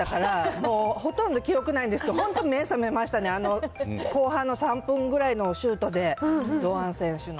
もうほとんど記憶ないんですけど、本当、目覚めましたね、あの後半の３分ぐらいのシュートで、堂安選手の。